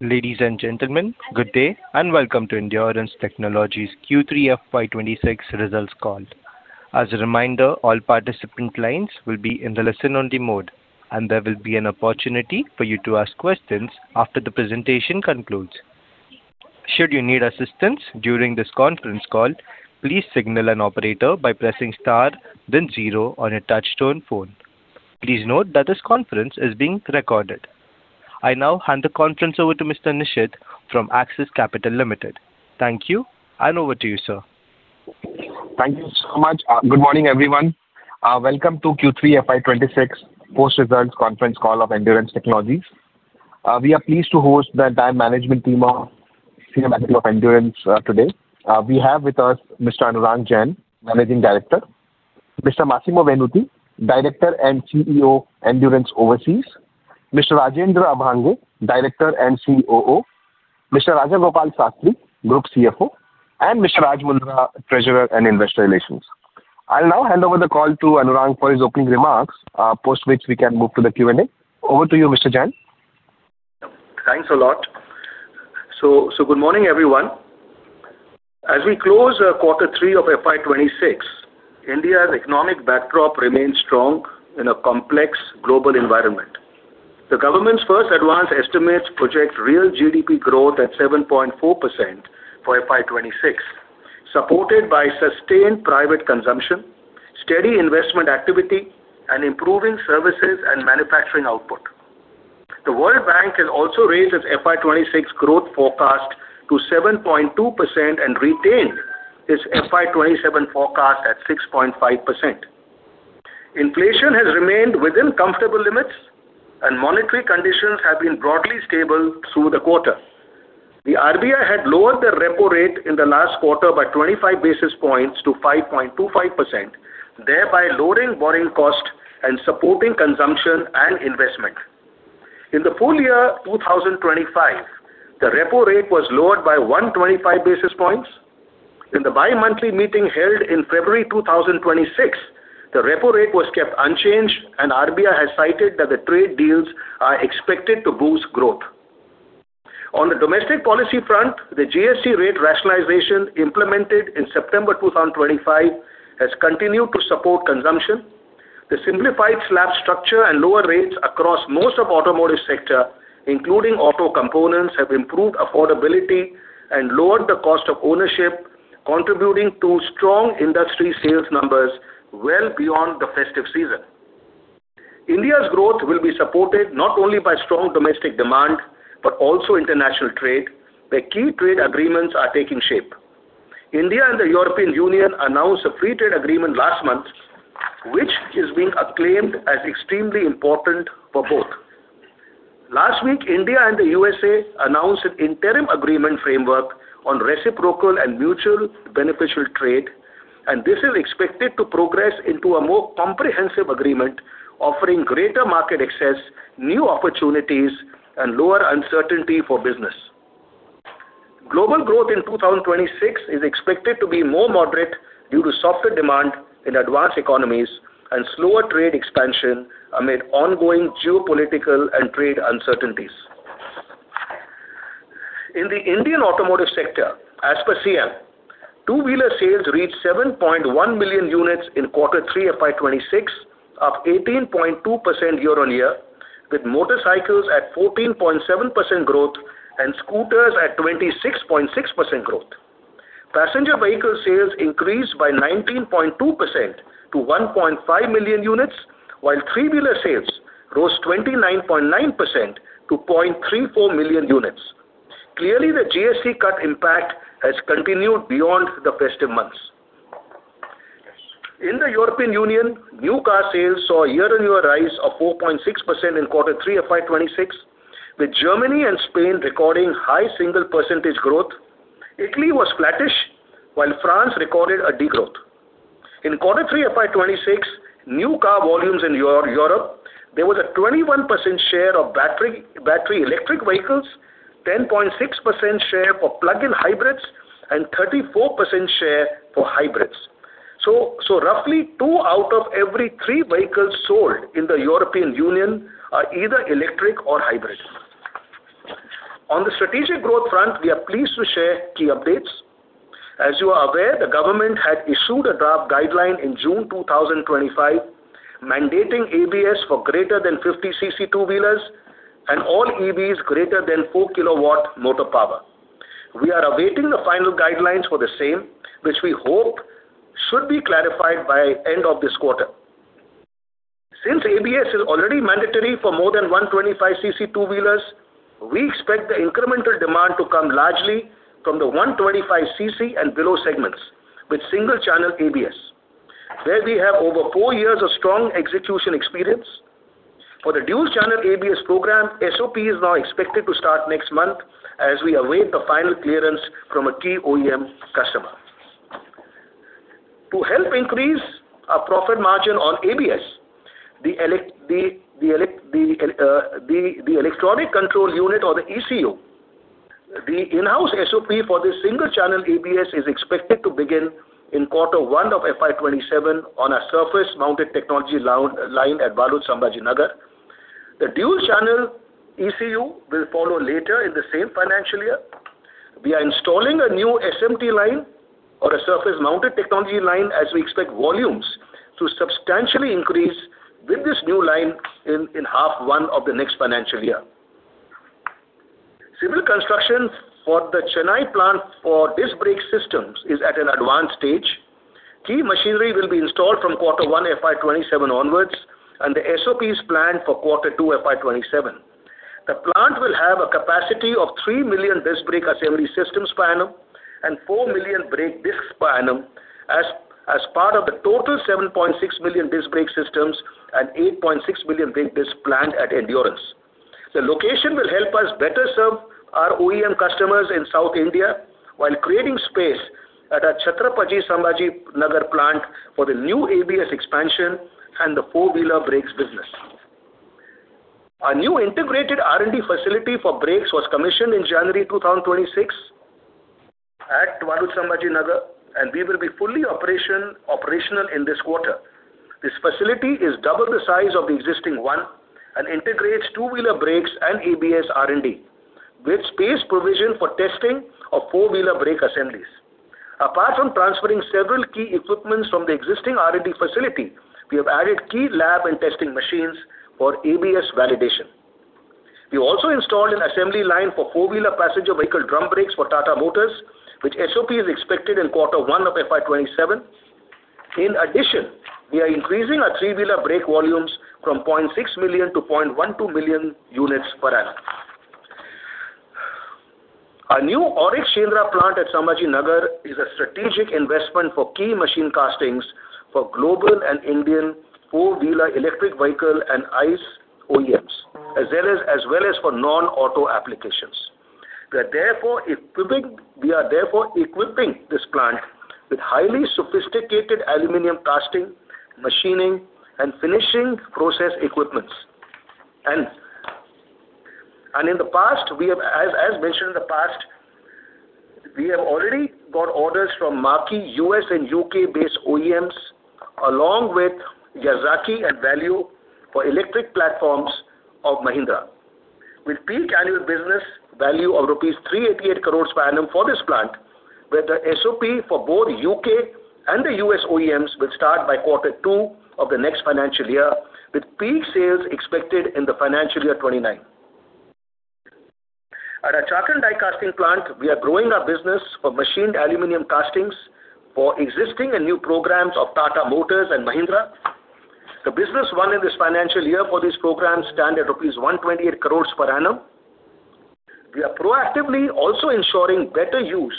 Ladies and gentlemen, good day, and welcome to Endurance Technologies' Q3 FY 2026 Results Call. As a reminder, all participant lines will be in the listen-only mode, and there will be an opportunity for you to ask questions after the presentation concludes. Should you need assistance during this conference call, please signal an operator by pressing star then zero on your touchtone phone. Please note that this conference is being recorded. I now hand the conference over to Mr. Nishit from Axis Capital Limited. Thank you, and over to you, sir. Thank you so much. Good morning, everyone. Welcome to Q3 FY 2026 post-results conference call of Endurance Technologies. We are pleased to host the top management team of senior management of Endurance today. We have with us Mr. Anurang Jain, Managing Director, Mr. Massimo Venuti, Director and CEO, Endurance Overseas, Mr. Rajendra Abhange, Director and COO, Mr. Raja Gopal Sastry, Group CFO, and Mr. Raj Mundra, Treasurer and Investor Relations. I'll now hand over the call to Anurang for his opening remarks, post which we can move to the Q&A. Over to you, Mr. Jain. Thanks a lot. So, so good morning, everyone. As we close quarter three of FY 2026, India's economic backdrop remains strong in a complex global environment. The government's first advanced estimates project real GDP growth at 7.4% for FY 2026, supported by sustained private consumption, steady investment activity, and improving services and manufacturing output. The World Bank has also raised its FY 2026 growth forecast to 7.2% and retained its FY 2027 forecast at 6.5%. Inflation has remained within comfortable limits, and monetary conditions have been broadly stable through the quarter. The RBI had lowered the repo rate in the last quarter by 25 basis points to 5.25%, thereby lowering borrowing cost and supporting consumption and investment. In the full year, 2025, the repo rate was lowered by 125 basis points. In the bi-monthly meeting held in February 2026, the repo rate was kept unchanged, and RBI has cited that the trade deals are expected to boost growth. On the domestic policy front, the GST rate rationalization, implemented in September 2025, has continued to support consumption. The simplified slab structure and lower rates across most of automotive sector, including auto components, have improved affordability and lowered the cost of ownership, contributing to strong industry sales numbers well beyond the festive season. India's growth will be supported not only by strong domestic demand, but also international trade, where key trade agreements are taking shape. India and the European Union announced a free trade agreement last month, which is being acclaimed as extremely important for both. Last week, India and the USA announced an interim agreement framework on reciprocal and mutual beneficial trade, and this is expected to progress into a more comprehensive agreement, offering greater market access, new opportunities, and lower uncertainty for business. Global growth in 2026 is expected to be more moderate due to softer demand in advanced economies and slower trade expansion amid ongoing geopolitical and trade uncertainties. In the Indian automotive sector, as per SIAM, two-wheeler sales reached 7.1 million units in quarter three FY 2026, up 18.2% year-on-year, with motorcycles at 14.7% growth and scooters at 26.6% growth. Passenger vehicle sales increased by 19.2% to 1.5 million units, while three-wheeler sales rose 29.9% to 0.34 million units. Clearly, the GST cut impact has continued beyond the festive months. In the European Union, new car sales saw a year-on-year rise of 4.6% in quarter three of FY 2026, with Germany and Spain recording high single-percentage growth. Italy was flattish, while France recorded a degrowth. In quarter three of FY 2026, new car volumes in Europe, there was a 21% share of battery electric vehicles, 10.6% share for plug-in hybrids, and 34% share for hybrids. So, roughly two out of every three vehicles sold in the European Union are either electric or hybrid. On the strategic growth front, we are pleased to share key updates. As you are aware, the government had issued a draft guideline in June 2025, mandating ABS for greater than 50cc two-wheelers and all EVs greater than 4kW motor power. We are awaiting the final guidelines for the same, which we hope should be clarified by end of this quarter. Since ABS is already mandatory for more than 125 cc two-wheelers, we expect the incremental demand to come largely from the 125 cc and below segments, with single channel ABS, where we have over four years of strong execution experience. For the dual channel ABS program, SOP is now expected to start next month, as we await the final clearance from a key OEM customer. To help increase our profit margin on ABS, the electronic control unit or the ECU. The in-house SOP for the single channel ABS is expected to begin in quarter one of FY 2027 on a surface-mounted technology line at Waluj Sambhajinagar. The dual channel ECU will follow later in the same financial year. We are installing a new SMT line, or a surface-mounted technology line, as we expect volumes to substantially increase with this new line in H1 of the next financial year. Civil construction for the Chennai plant for disc brake systems is at an advanced stage. Key machinery will be installed from Q1, FY 2027 onwards, and the SOP is planned for Q2, FY 2027. The plant will have a capacity of 3 million disc brake assembly systems per annum, and 4 million brake discs per annum, as part of the total 7.6 billion disc brake systems and 8.6 billion brake discs planned at Endurance. The location will help us better serve our OEM customers in South India, while creating space at our Chhatrapati Sambhajinagar plant for the new ABS expansion and the four-wheeler brakes business. Our new integrated R&D facility for brakes was commissioned in January 2026 at Waluj, Chhatrapati Sambhajinagar, and we will be fully operational in this quarter. This facility is double the size of the existing one and integrates two-wheeler brakes and ABS R&D, with space provision for testing of four-wheeler brake assemblies. Apart from transferring several key equipment from the existing R&D facility, we have added key lab and testing machines for ABS validation. We also installed an assembly line for four-wheeler passenger vehicle drum brakes for Tata Motors, which SOP is expected in quarter one of FY 2027. In addition, we are increasing our three-wheeler brake volumes from 0.6 million to 1.2 million units per annum. Our new Auric Shendra plant at Chhatrapati Sambhajinagar is a strategic investment for key machine castings for global and Indian four-wheeler electric vehicle and ICE OEMs, as well as for non-auto applications. We are therefore equipping this plant with highly sophisticated aluminum casting, machining, and finishing process equipments. In the past, as mentioned in the past, we have already got orders from marquee U.S. and U.K.-based OEMs, along with Yazaki and Valeo for electric platforms of Mahindra. With peak annual business value of rupees 388 crore per annum for this plant, where the SOP for both U.K. and the U.S. OEMs will start by quarter two of the next financial year, with peak sales expected in the financial year 2029. At our Chakan die casting plant, we are growing our business for machined aluminum castings for existing and new programs of Tata Motors and Mahindra. The business won in this financial year for these programs stand at rupees 128 crore per annum. We are proactively also ensuring better use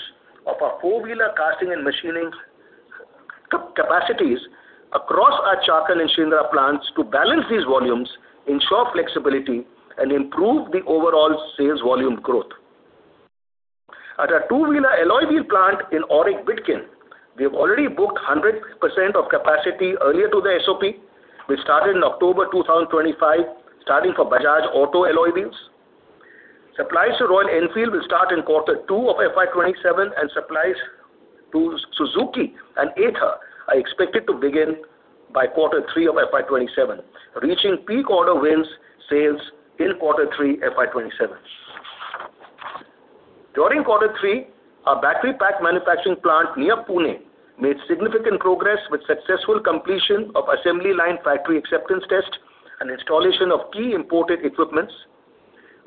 of our four-wheeler casting and machining capacities across our Chakan and [Shirwal] plants to balance these volumes, ensure flexibility, and improve the overall sales volume growth. At our two-wheeler alloy wheel plant in Auric Bidkin, we have already booked 100% of capacity earlier to the SOP, which started in October 2025, starting for Bajaj Auto alloy wheels. Supplies to Royal Enfield will start in quarter 2 of FY 2027, and supplies to Suzuki and Ather are expected to begin by quarter 3 of FY 2027, reaching peak order wins sales in quarter three, FY 2027. During quarter three, our battery pack manufacturing plant near Pune made significant progress with successful completion of assembly line factory acceptance test and installation of key imported equipments.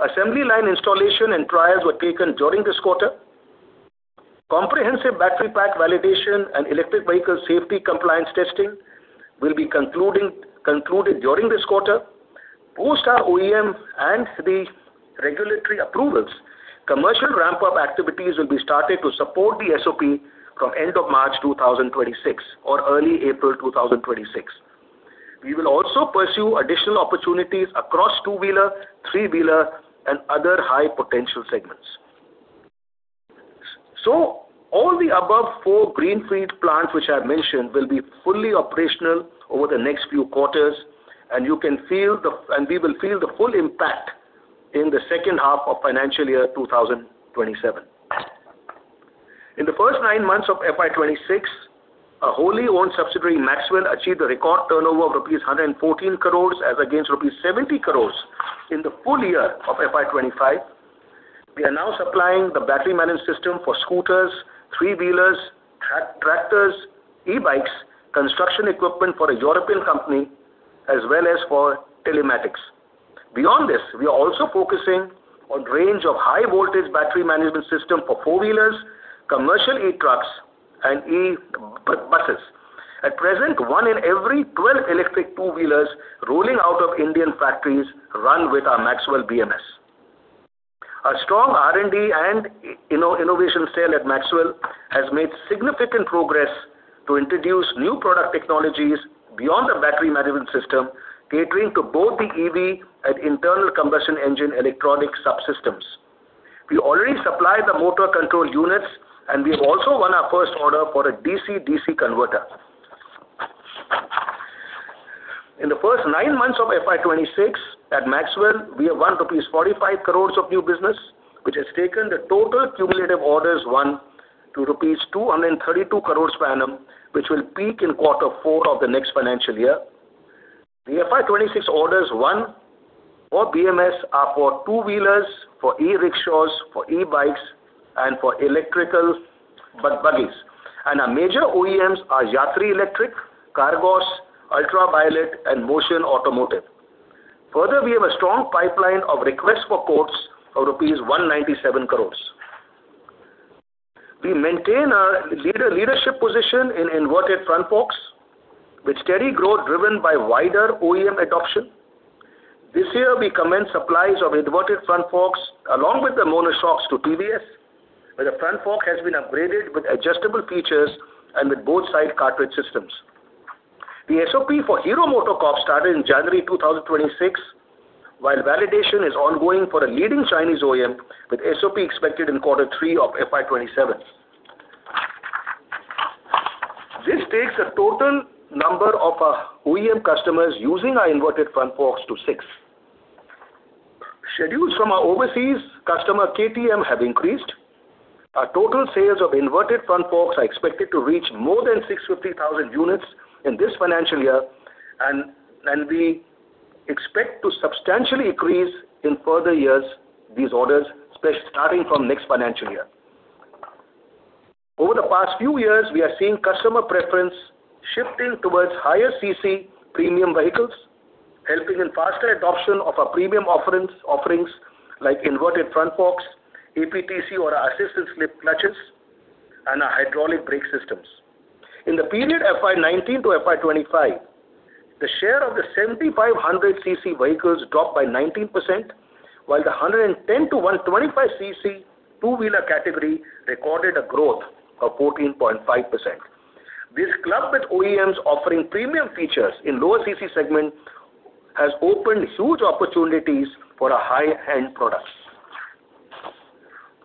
Assembly line installation and trials were taken during this quarter. Comprehensive battery pack validation and electric vehicle safety compliance testing will be concluded during this quarter. Post our OEM and the regulatory approvals, commercial ramp-up activities will be started to support the SOP from end of March 2026 or early April 2026. We will also pursue additional opportunities across two-wheeler, three-wheeler, and other high potential segments. So all the above four greenfield plants, which I mentioned, will be fully operational over the next few quarters, and you can feel and we will feel the full impact in the second half of financial year 2027. In the first nine months of FY 2026, our wholly owned subsidiary, Maxwell, achieved a record turnover of rupees 114 crores, as against rupees 70 crores in the full year of FY 2025. We are now supplying the battery management system for scooters, three-wheelers, tractors, e-bikes, construction equipment for a European company, as well as for telematics. Beyond this, we are also focusing on range of high voltage battery management system for four-wheelers, commercial e-trucks, and e-buses. At present, one in every 12 electric two-wheelers rolling out of Indian factories run with our Maxwell BMS. Our strong R&D and innovation style at Maxwell has made significant progress to introduce new product technologies beyond the battery management system, catering to both the EV and internal combustion engine electronic subsystems. We already supply the motor control units, and we have also won our first order for a DC-DC converter. In the first nine months of FY 2026, at Maxwell, we have won rupees 45 crores of new business, which has taken the total cumulative orders won to rupees 232 crores per annum, which will peak in quarter four of the next financial year. The FY 2026 orders won for BMS are for two-wheelers, for e-rickshaws, for e-bikes, and for electrical buggies. Our major OEMs are Yatri Electric, Qargos, Ultraviolette, and Motion Automotive. Further, we have a strong pipeline of requests for quotes of rupees 197 crores. We maintain our leadership position in inverted front forks, with steady growth driven by wider OEM adoption. This year, we commenced supplies of Inverted Front Forks, along with the Monoshocks to TVS, where the front fork has been upgraded with adjustable features and with both side cartridge systems. The SOP for Hero MotoCorp started in January 2026, while validation is ongoing for a leading Chinese OEM, with SOP expected in quarter three of FY 2027. This takes the total number of our OEM customers using our Inverted Front Forks to six. Schedules from our overseas customer, KTM, have increased. Our total sales of Inverted Front Forks are expected to reach more than 650,000 units in this financial year, and we expect to substantially increase in further years these orders, starting from next financial year. Over the past few years, we are seeing customer preference shifting towards higher cc premium vehicles, helping in faster adoption of our premium offerings like Inverted Front Forks, APTC or assistant slip clutches, and our hydraulic brake systems. In the period FY 2019-FY 2025, the share of the 7,500 CC vehicles dropped by 19%, while the 110-125cc two-wheeler category recorded a growth of 14.5%. This, clubbed with OEMs offering premium features in lower cc segment, has opened huge opportunities for our high-end products.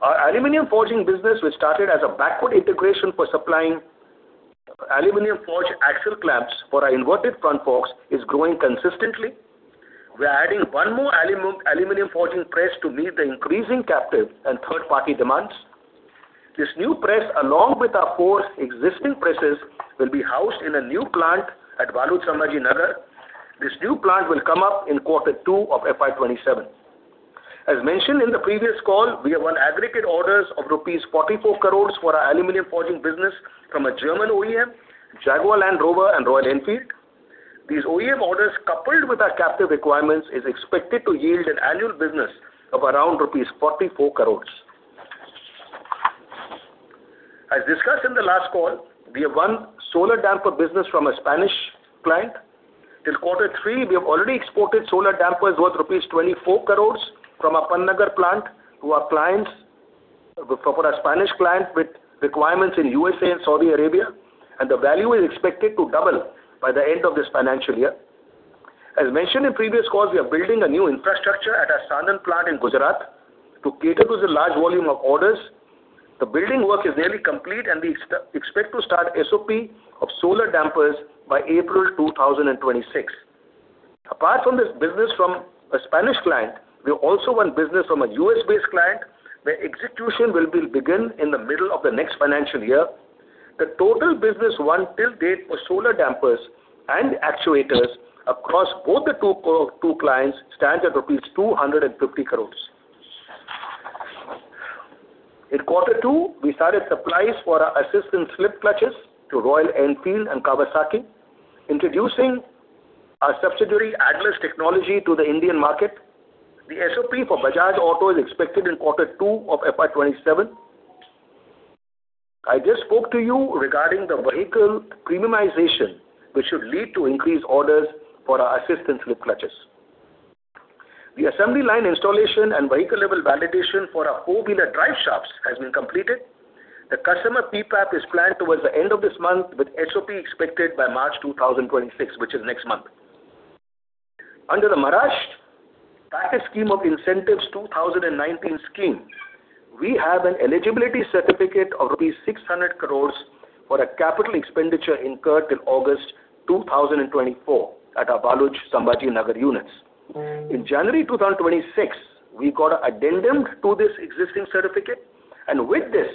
Our aluminum forging business, which started as a backward integration for supplying aluminum forge axle clamps for our inverted front forks, is growing consistently. We are adding one more aluminum forging press to meet the increasing captive and third-party demands. This new press, along with our four existing presses, will be housed in a new plant at Waluj, Chhatrapati Sambhajinagar. This new plant will come up in quarter two of FY 2027. As mentioned in the previous call, we have won aggregate orders of rupees 44 crores for our aluminum forging business from a German OEM, Jaguar Land Rover and Royal Enfield. These OEM orders, coupled with our captive requirements, is expected to yield an annual business of around rupees 44 crores. As discussed in the last call, we have won solar damper business from a Spanish client. Till quarter three, we have already exported solar dampers worth rupees 24 crores from our Pantnagar plant to our clients, for our Spanish client, with requirements in USA and Saudi Arabia, and the value is expected to double by the end of this financial year. As mentioned in previous calls, we are building a new infrastructure at our Sanand plant in Gujarat to cater to the large volume of orders. The building work is nearly complete, and we expect to start SOP of solar dampers by April 2026. Apart from this business from a Spanish client, we have also won business from a U.S.-based client, where execution will begin in the middle of the next financial year. The total business won till date for solar dampers and actuators across both the two clients stands at 250 crore. In quarter two, we started supplies for our assist and slipper clutches to Royal Enfield and Kawasaki, introducing our subsidiary, Atlas Technology, to the Indian market. The SOP for Bajaj Auto is expected in quarter two of FY 2027. I just spoke to you regarding the vehicle premiumization, which should lead to increased orders for our assist and slipper clutches. The assembly line installation and vehicle level validation for our four-wheeler drive shafts has been completed. The customer PPAP is planned towards the end of this month, with SOP expected by March 2026, which is next month. Under the Maharashtra Package Scheme of Incentives 2019 scheme, we have an eligibility certificate of rupees 600 crore for a capital expenditure incurred in August 2024 at our Waluj Chhatrapati Sambhajinagar units. In January 2026, we got an addendum to this existing certificate, and with this,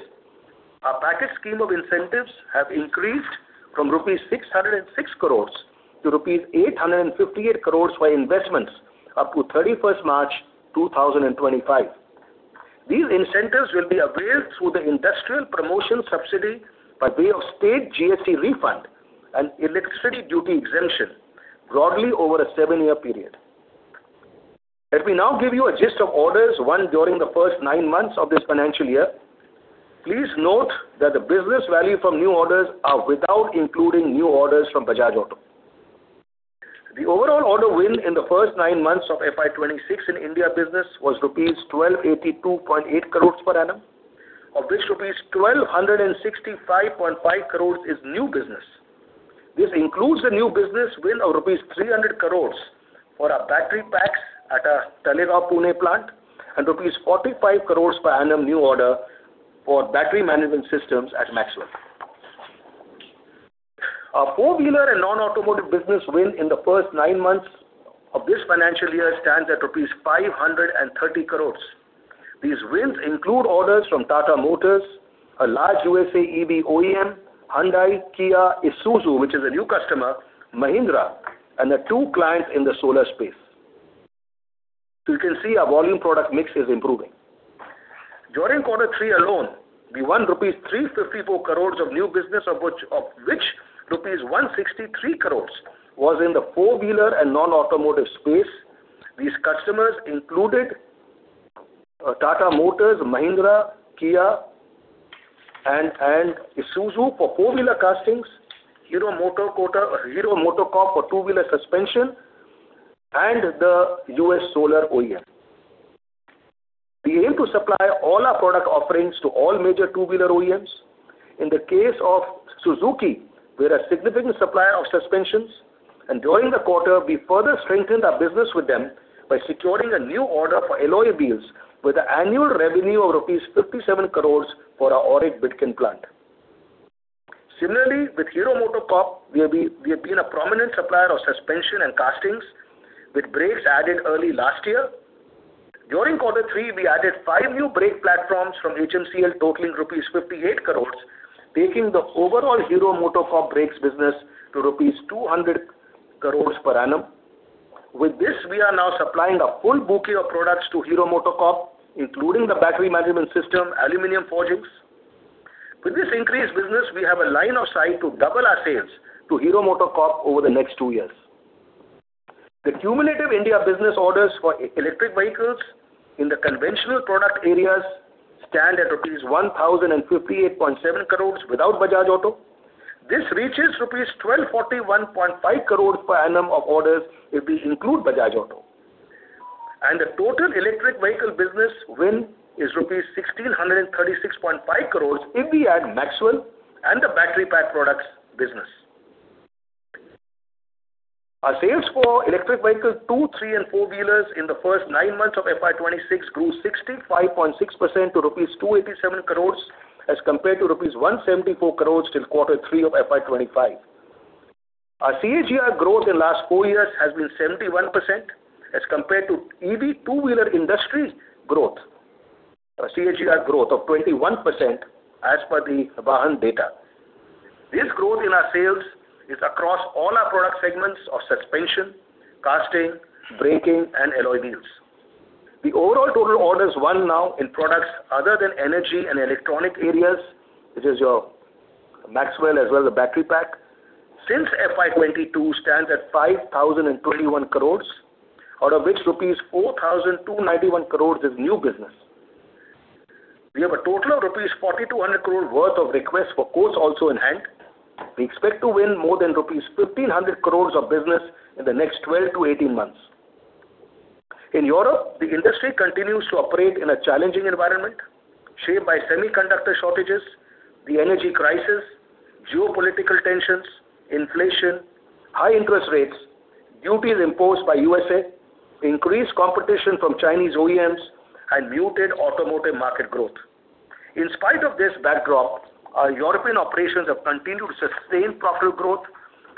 our package scheme of incentives have increased from rupees 606 crore to rupees 858 crore for investments up to thirty-first March 2025. These incentives will be availed through the industrial promotion subsidy by way of state GST refund and electricity duty exemption, broadly over a seven-year period. Let me now give you a gist of orders won during the first 9 months of this financial year. Please note that the business value from new orders are without including new orders from Bajaj Auto. The overall order win in the first nine months of FY 2026 in India business was rupees 1,282.8 crores per annum, of which rupees 1,265.5 crores is new business. This includes a new business win of rupees 300 crores for our battery packs at our Talegaon, Pune plant and rupees 45 crores per annum new order for battery management systems at Maxwell. Our four-wheeler and non-automotive business win in the first nine months of this financial year stands at rupees 530 crore. These wins include orders from Tata Motors, a large USA EV OEM, Hyundai, Kia, Isuzu, which is a new customer, Mahindra, and the two clients in the solar space. So you can see our volume product mix is improving. During quarter three alone, we won rupees 354 crore of new business, of which rupees 163 crores was in the four-wheeler and non-automotive space. These customers included Tata Motors, Mahindra, Kia, and Isuzu for four-wheeler castings, Hero MotoCorp for two-wheeler suspension, and the U.S. Solar OEM. We aim to supply all our product offerings to all major two-wheeler OEMs. In the case of Suzuki, we're a significant supplier of suspensions, and during the quarter, we further strengthened our business with them by securing a new order for alloy wheels, with an annual revenue of rupees 57 crores for our Auric Bidkin plant. Similarly, with Hero MotoCorp, we have been a prominent supplier of suspension and castings, with brakes added early last year. During quarter three, we added five new brake platforms from HMCL, totaling rupees 58 crores, taking the overall Hero MotoCorp brakes business to rupees 200 crores per annum. With this, we are now supplying a full bouquet of products to Hero MotoCorp, including the battery management system, aluminum forgings. With this increased business, we have a line of sight to double our sales to Hero MotoCorp over the next two years. The cumulative India business orders for electric vehicles in the conventional product areas stand at rupees 1,058.7 crores, without Bajaj Auto. This reaches rupees 1,241.5 crores per annum of orders if we include Bajaj Auto. The total electric vehicle business win is rupees 1,636.5 crores, if we add Maxwell and the battery pack products business. Our sales for electric vehicles, two, three, and four-wheelers in the first nine months of FY 2026 grew 65.6% to rupees 287 crores, as compared to rupees 174 crores till Q3 of FY 2025. Our CAGR growth in the last four years has been 71%, as compared to EV two-wheeler industry growth CAGR of 21%, as per the Vahan data. This growth in our sales is across all our product segments of suspension, casting, braking, and alloy wheels. The overall total orders won now in products other than energy and electronic areas, which is your Maxwell as well, the battery pack, since FY 2022 stands at 5,021 crore, out of which rupees 4,291 crore is new business. We have a total of rupees 4,200 crore worth of requests for quotes also in hand. We expect to win more than rupees 1,500 crore of business in the next 12-18 months. In Europe, the industry continues to operate in a challenging environment, shaped by semiconductor shortages, the energy crisis, geopolitical tensions, inflation, high interest rates, duties imposed by USA, increased competition from Chinese OEMs, and muted automotive market growth. In spite of this backdrop, our European operations have continued to sustain profitable growth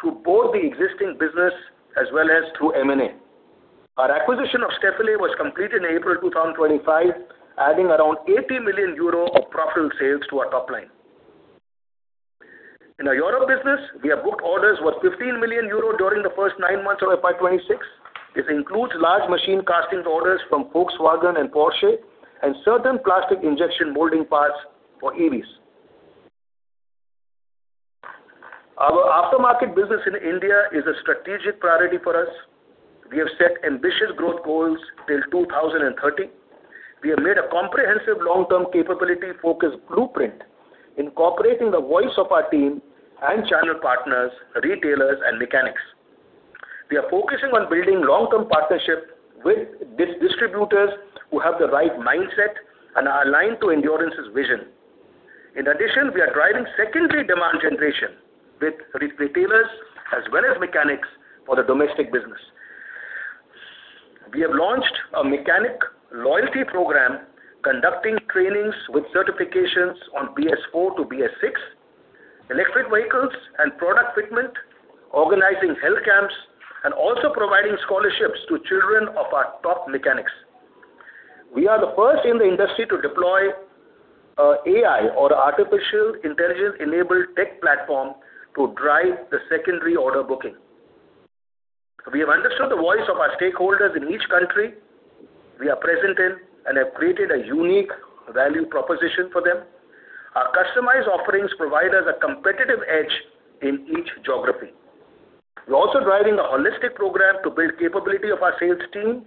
through both the existing business as well as through M&A. Our acquisition of Stöferle was completed in April 2025, adding around 80 million euro of profitable sales to our top line. In our Europe business, we have booked orders worth 15 million euro during the first nine months of FY 2026. This includes large machine casting orders from Volkswagen and Porsche, and certain plastic injection molding parts for EVs. Our aftermarket business in India is a strategic priority for us. We have set ambitious growth goals till 2030. We have made a comprehensive long-term capability-focused blueprint, incorporating the voice of our team and channel partners, retailers, and mechanics. We are focusing on building long-term partnerships with distributors who have the right mindset and are aligned to Endurance's vision. In addition, we are driving secondary demand generation with retailers as well as mechanics for the domestic business. We have launched a mechanic loyalty program, conducting trainings with certifications on BS4 to BS6, electric vehicles and product fitment, organizing health camps, and also providing scholarships to children of our top mechanics. We are the first in the industry to deploy AI or artificial intelligence-enabled tech platform to drive the secondary order booking. We have understood the voice of our stakeholders in each country we are present in and have created a unique value proposition for them. Our customized offerings provide us a competitive edge in each geography. We're also driving a holistic program to build capability of our sales team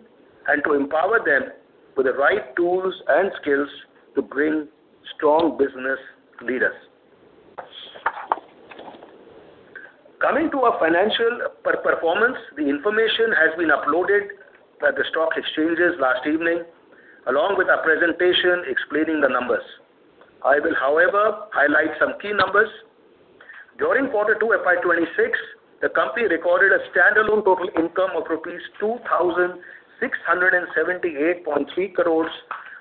and to empower them with the right tools and skills to bring strong business leaders. Coming to our financial performance, the information has been uploaded by the stock exchanges last evening, along with a presentation explaining the numbers. I will, however, highlight some key numbers. During quarter two, FY 2026, the company recorded a standalone total income of rupees 2,678.3 crores,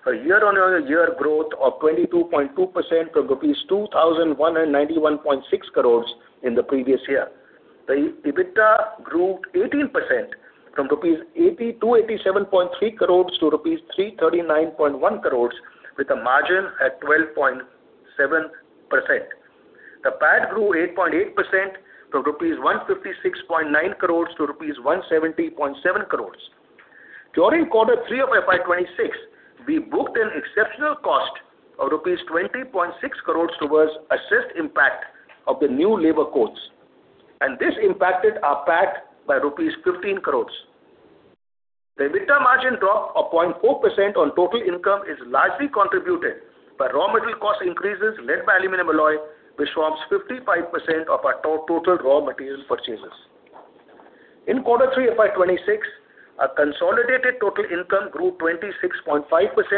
a year-on-year growth of 22.2% from rupees 2,191.6 crores in the previous year. The EBITDA grew 18% from rupees 287.3 crores to rupees 339.1 crores, with a margin at 12.7%. The PAT grew 8.8% from 156.9 crores-170.7 crores rupees. During quarter three of FY 2026, we booked an exceptional cost of rupees 20.6 crore towards assessed impact of the new labor codes, and this impacted our PAT by rupees 15 crore. The EBITDA margin drop of 0.4% on total income is largely contributed by raw material cost increases led by aluminum alloy, which forms 55% of our total raw material purchases. In quarter three of FY 2026, our consolidated total income grew 26.5%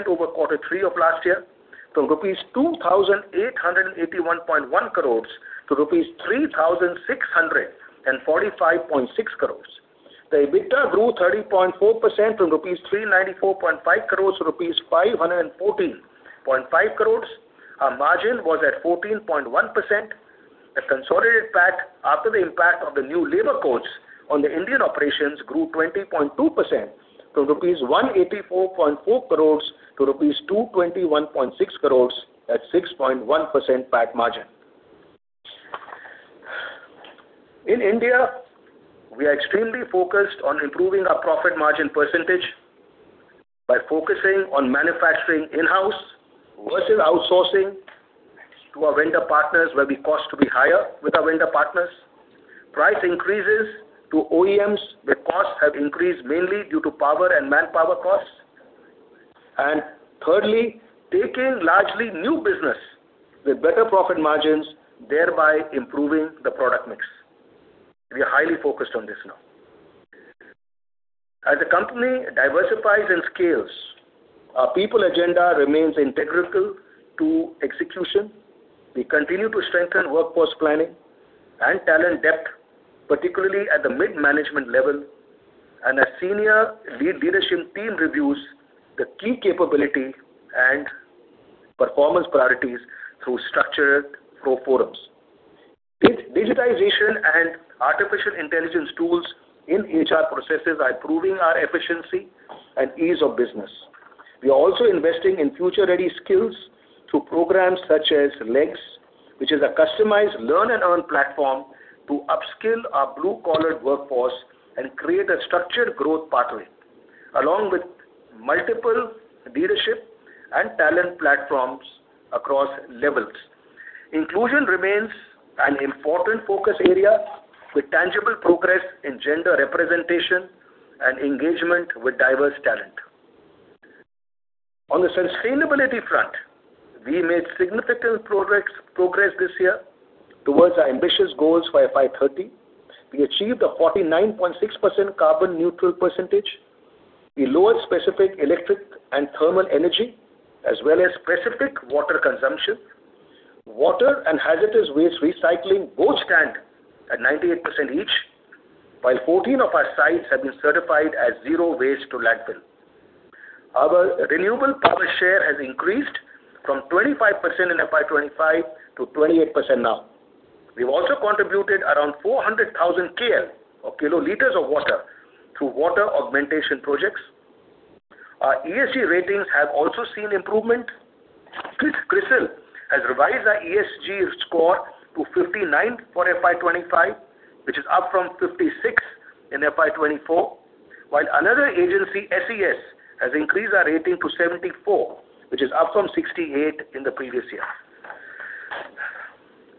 over quarter three of last year, from rupees 2,881.1 crore to rupees 3,645.6 crore. The EBITDA grew 30.4% from 394.5 crore-514.5 crore rupees. Our margin was at 14.1%. The consolidated PAT, after the impact of the new labor codes on the Indian operations, grew 20.2% to 184.4 crores-221.6 crores rupees at 6.1% PAT margin. In India, we are extremely focused on improving our profit margin percentage by focusing on manufacturing in-house versus outsourcing to our vendor partners, where the cost to be higher with our vendor partners. Price increases to OEMs, where costs have increased mainly due to power and manpower costs. And thirdly, taking largely new business with better profit margins, thereby improving the product mix. We are highly focused on this now. As the company diversifies and scales, our people agenda remains integral to execution. We continue to strengthen workforce planning and talent depth, particularly at the mid-management level, and our senior lead leadership team reviews the key capability and performance priorities through structured pro forums. Digitization and artificial intelligence tools in HR processes are improving our efficiency and ease of business. We are also investing in future-ready skills through programs such as LEGS, which is a customized learn and earn platform to upskill our blue-collar workforce and create a structured growth pathway, along with multiple leadership and talent platforms across levels. Inclusion remains an important focus area, with tangible progress in gender representation and engagement with diverse talent. On the sustainability front, we made significant progress this year towards our ambitious goals by FY 2030. We achieved a 49.6% carbon neutral percentage. We lowered specific electric and thermal energy, as well as specific water consumption. Water and hazardous waste recycling both stand at 98% each, while 14 of our sites have been certified as zero waste to landfill. Our renewable power share has increased from 25% in FY 2025 to 28% now. We've also contributed around 400,000 KL, or kiloliters of water, through water augmentation projects. Our ESG ratings have also seen improvement. CRISIL has revised our ESG score to 59 for FY 2025, which is up from 56 in FY 2024, while another agency, SES, has increased our rating to 74, which is up from 68 in the previous year.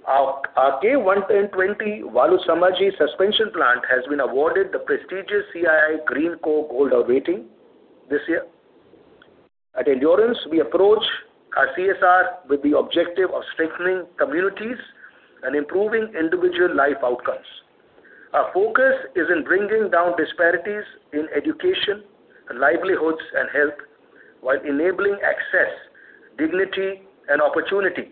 Our K-120 Valusamaji Suspension plant has been awarded the prestigious CII GreenCO Gold Rating Award this year. At Endurance, we approach our CSR with the objective of strengthening communities and improving individual life outcomes. Our focus is in bringing down disparities in education, livelihoods, and health, while enabling access, dignity, and opportunity.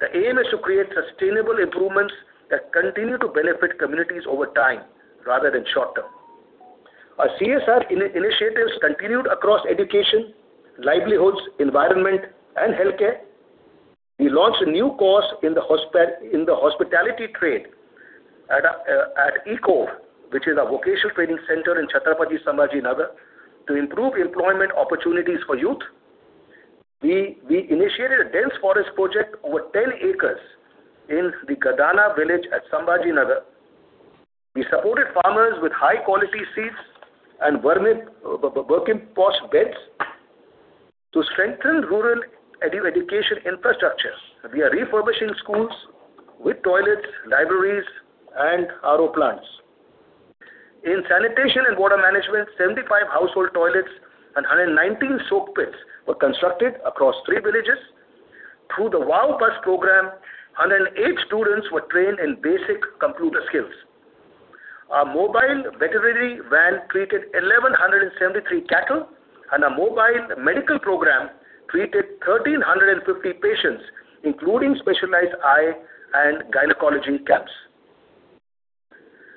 The aim is to create sustainable improvements that continue to benefit communities over time rather than short term. Our CSR initiatives continued across education, livelihoods, environment, and healthcare. We launched a new course in the hospitality trade at Eco, which is a vocational training center in Chhatrapati Sambhajinagar, to improve employment opportunities for youth. We initiated a dense forest project over 10 acres in the Gadana village at Sambhajinagar. We supported farmers with high-quality seeds and vermi composting beds. To strengthen rural education infrastructure, we are refurbishing schools with toilets, libraries, and RO plants. In sanitation and water management, 75 household toilets and 119 soak pits were constructed across three villages. Through the WOW Bus program, 108 students were trained in basic computer skills. Our mobile veterinary van treated 1,173 cattle, and our mobile medical program treated 1,350 patients, including specialized eye and gynecology camps.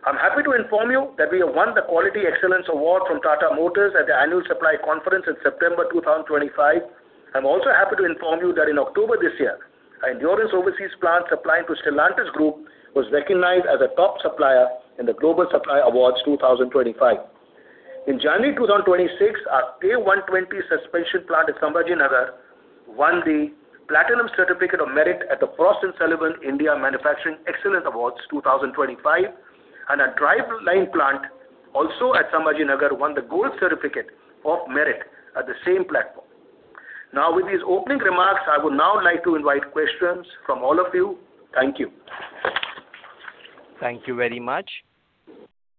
I'm happy to inform you that we have won the Quality Excellence Award from Tata Motors at the Annual Supply Conference in September 2025. I'm also happy to inform you that in October this year, Endurance Overseas Plant supplying to Stellantis Group was recognized as a top supplier in the Global Supply Awards 2025. In January 2026, our K-120 suspension plant at Sambhajinagar won the Platinum Certificate of Merit at the Frost & Sullivan India Manufacturing Excellence Awards 2025, and our Driveline plant, also at Sambhajinagar, won the Gold Certificate of Merit at the same platform. Now, with these opening remarks, I would now like to invite questions from all of you. Thank you. Thank you very much.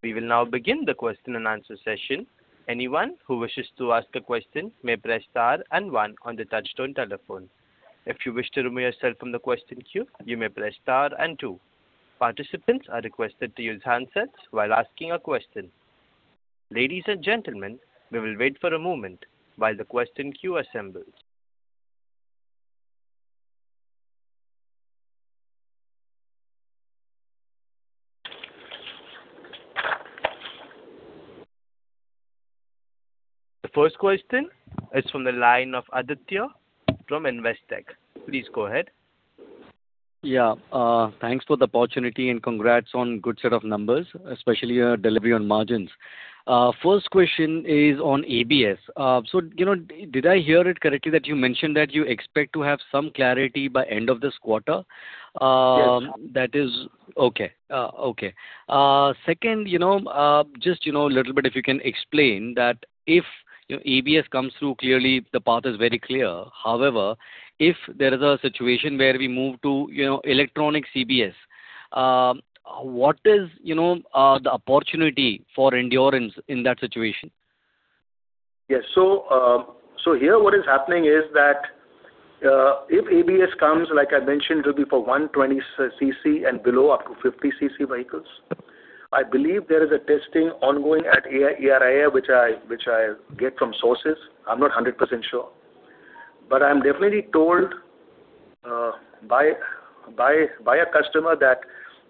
We will now begin the question-and-answer session. Anyone who wishes to ask a question may press star and one on the touch-tone telephone. If you wish to remove yourself from the question queue, you may press star and two. Participants are requested to use handsets while asking a question. Ladies and gentlemen, we will wait for a moment while the question queue assembles. The first question is from the line of Aditya from Investec. Please go ahead. Yeah, thanks for the opportunity, and congrats on good set of numbers, especially your delivery on margins. First question is on ABS. So, you know, did I hear it correctly, that you mentioned that you expect to have some clarity by end of this quarter? Yes. Okay. Second, you know, just, you know, a little bit, if you can explain that if, you know, ABS comes through, clearly the path is very clear. However, if there is a situation where we move to, you know, electronic CBS, what is, you know, the opportunity for Endurance in that situation? Yes. So here, what is happening is that, if ABS comes, like I mentioned, it will be for 120cc and below, up to 50cc vehicles. I believe there is a testing ongoing at ARAI, which I get from sources. I'm not 100% sure. But I'm definitely told by a customer that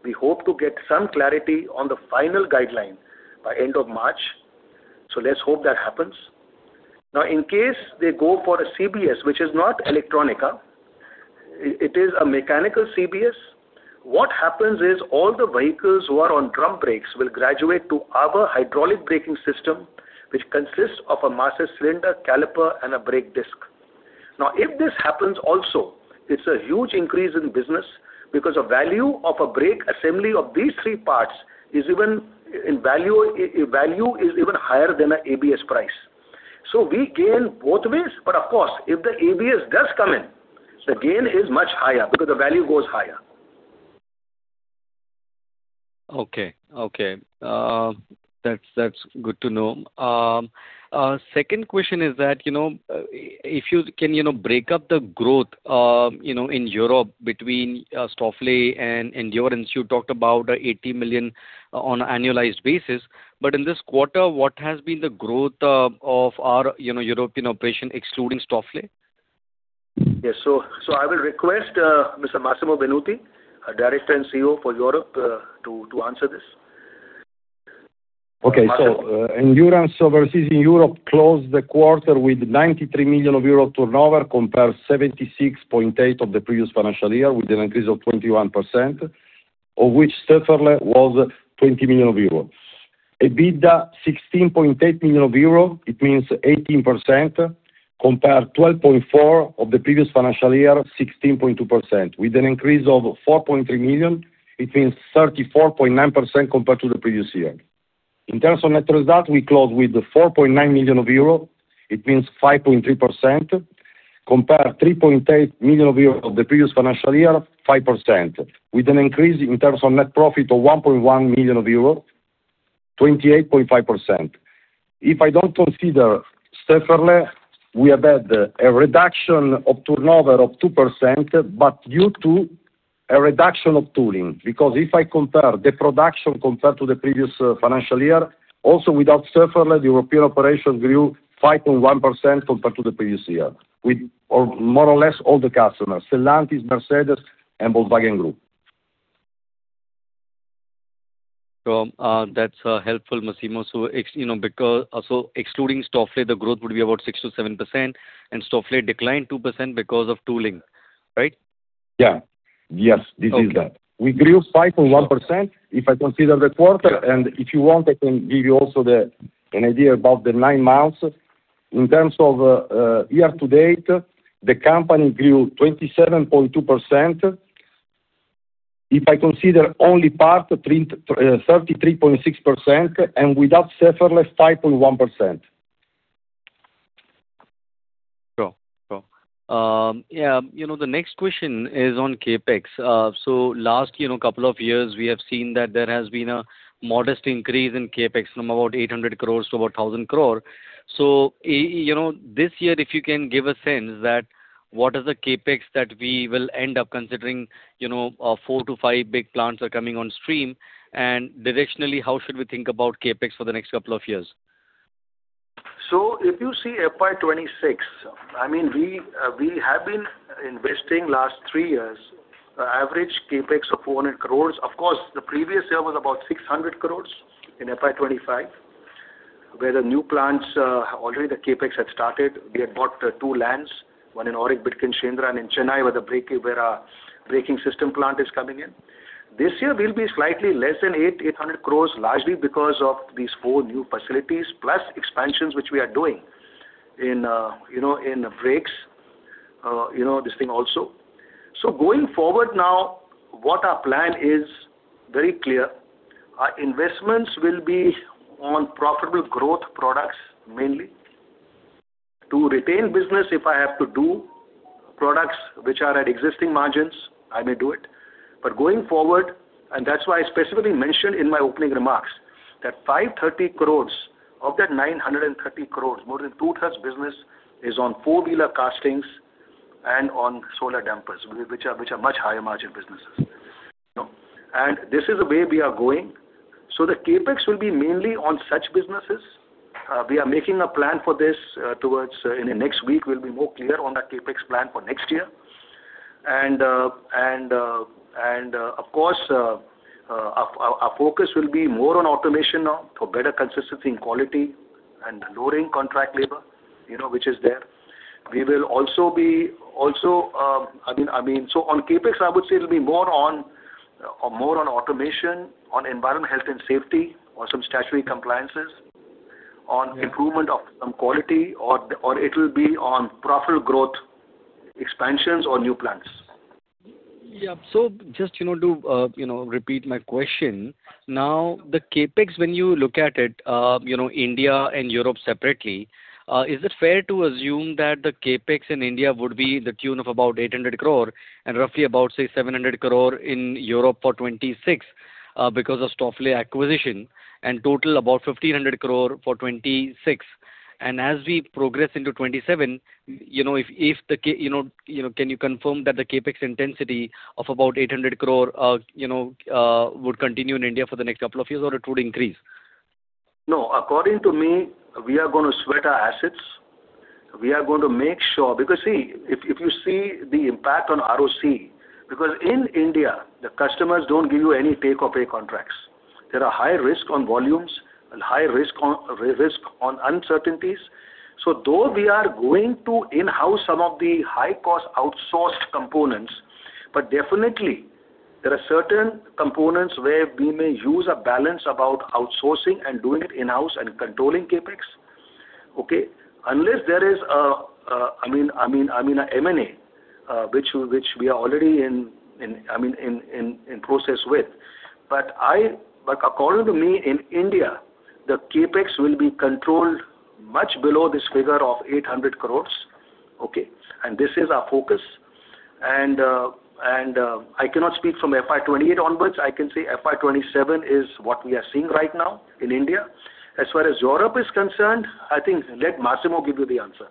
we hope to get some clarity on the final guideline by end of March, so let's hope that happens. Now, in case they go for a CBS, which is not electronic, it is a mechanical CBS. What happens is, all the vehicles who are on drum brakes will graduate to our hydraulic braking system, which consists of a master cylinder, caliper, and a brake disc. Now, if this happens also, it's a huge increase in business because the value of a brake assembly of these three parts is even, in value, value, is even higher than a ABS price. So we gain both ways, but of course, if the ABS does come in, the gain is much higher because the value goes higher. Okay. Okay, that's, that's good to know. Second question is that, you know, if you can, you know, break up the growth, you know, in Europe between Stöferle and Endurance. You talked about 80 million on an annualized basis, but in this quarter, what has been the growth of our, you know, European operation, excluding Stöferle? Yes. So I will request Mr. Massimo Venuti, our Director and COO for Europe, to answer this. Okay, so, Endurance Overseas in Europe closed the quarter with 93 million euro turnover, compared 76.8 of the previous financial year, with an increase of 21%, of which Stöferle was 20 million euros. EBITDA, 16.8 million euros, it means 18%, compared 12.4 million of the previous financial year, 16.2%, with an increase of 4.3 million, it means 34.9% compared to the previous year. In terms of net result, we closed with 4.9 million euro, it means 5.3%, compared 3.8 million euro of the previous financial year, 5%, with an increase in terms of net profit of 1.1 million euro, 28.5%. If I don't consider Stöferle, we have had a reduction of turnover of 2%, but due to a reduction of tooling. Because if I compare the production compared to the previous financial year, also without Stöferle, the European operation grew 5.1% compared to the previous year, with more or less all the customers, Stellantis, Mercedes, and Volkswagen Group. So, that's helpful, Massimo. So, you know, because, excluding Stöferle, the growth would be about 6%-7%, and Stöferle declined 2% because of tooling, right? Yeah. Yes, this is that. Okay. We grew 5.1%, if I consider the quarter, and if you want, I can give you also the, an idea about the nine months. In terms of year to date, the company grew 27.2%. If I consider only part, 33.6%, and without Stöferle, 5.1%. Sure. Sure. Yeah, you know, the next question is on CapEx. So last, you know, couple of years, we have seen that there has been a modest increase in CapEx from about 800 crore to over 1,000 crore. You know, this year, if you can give a sense. What are the CapEx that we will end up considering, you know, 4-5 big plants are coming on stream? And directionally, how should we think about CapEx for the next couple of years? So if you see FY 2026, I mean, we, we have been investing last three years, average CapEx of 400 crore. Of course, the previous year was about 600 crore in FY 2025, where the new plants, already the CapEx had started. We had bought two lands, one in Auric Bidkin, Shendra, and in Chennai, where the braking system plant is coming in. This year, we'll be slightly less than 800 crore, largely because of these four new facilities, plus expansions, which we are doing in, you know, in the brakes, you know, this thing also. So going forward now, what our plan is very clear. Our investments will be on profitable growth products, mainly. To retain business, if I have to do products which are at existing margins, I may do it. But going forward, and that's why I specifically mentioned in my opening remarks, that 530 crores, of that 930 crores, more than two-thirds business is on four-wheeler castings and on solar dampers, which are much higher margin businesses. This is the way we are going. The CapEx will be mainly on such businesses. We are making a plan for this, towards, in the next week, we'll be more clear on that CapEx plan for next year. Of course, our focus will be more on automation now for better consistency in quality and lowering contract labor, you know, which is there. We will also be, I mean, so on CapEx, I would say it'll be more on, more on automation, on environment, health, and safety, on some statutory compliances, on improvement of some quality, or it will be on profitable growth, expansions or new plants. Yeah. So just, you know, to, you know, repeat my question. Now, the CapEx, when you look at it, you know, India and Europe separately, is it fair to assume that the CapEx in India would be the tune of about 800 crore and roughly about, say, 700 crore in Europe for 2026, because of Stöferle acquisition, and total about 1,500 crore for 2026? And as we progress into 2027, you know, can you confirm that the CapEx intensity of about 800 crore, you know, would continue in India for the next couple of years, or it would increase? No, according to me, we are going to sweat our assets. We are going to make sure... Because, see, if you see the impact on ROCE, because in India, the customers don't give you any take-or-pay contracts. There are high risk on volumes and high risk on uncertainties. So though we are going to in-house some of the high-cost outsourced components, but definitely there are certain components where we may use a balance about outsourcing and doing it in-house and controlling CapEx, okay? Unless there is I mean, an M&A, which we are already in process with. But according to me, in India, the CapEx will be controlled much below this figure of 800 crore, okay? And this is our focus. I cannot speak from FY 2028 onwards. I can say FY 2027 is what we are seeing right now in India. As far as Europe is concerned, I think let Massimo give you the answer.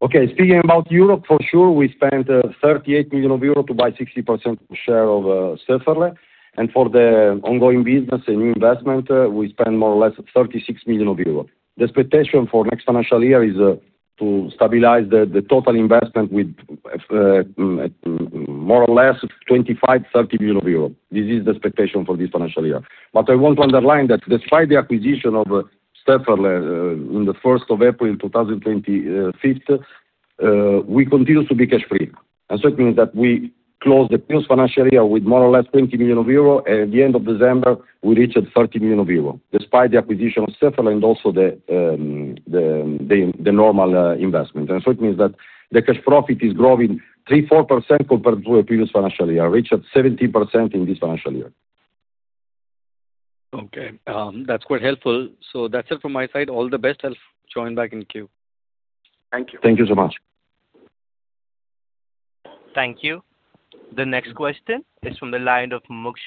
Okay, speaking about Europe, for sure, we spent 38 million euros to buy 60% share of Stöferle. And for the ongoing business and new investment, we spend more or less 36 million euros. The expectation for next financial year is to stabilize the total investment with more or less 25 euros-EUR30 million. This is the expectation for this financial year. But I want to underline that despite the acquisition of Stöferle on the first of April 2025, we continue to be cash free. And so it means that we close the previous financial year with more or less 20 million euro, and at the end of December, we reached 30 million euro, despite the acquisition of Stöferle and also the normal investment. So it means that the cash profit is growing 3%-4% compared to our previous financial year, reached at 17% in this financial year. Okay, that's quite helpful. So that's it from my side. All the best. I'll join back in queue. Thank you. Thank you so much. Thank you. The next question is from the line of Mumuksh